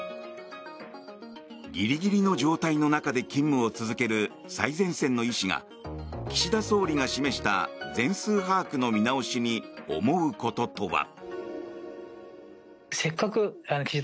ギリギリの状態の中で勤務を続ける最前線の医師が岸田総理が示した全数把握の見直しに思うこととは。